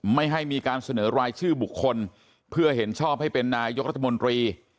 ไม่ให้มีการเสนอรายชื่อบุคคลเพื่อเห็นชอบให้เป็นนายกรัฐมนตรี